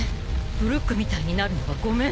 ブルックみたいになるのはごめんだわ。